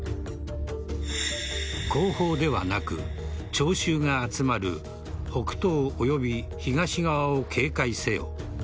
後方ではなく、聴衆が集まる北東及び東側を警戒せよ。